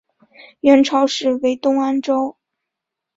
元朝时为东安州。